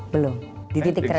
belum di titik terendah